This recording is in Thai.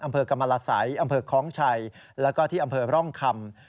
อำเภอกรรมรสัยอำเภอคล้องชัยแล้วก็ที่อำเภอร่องคำ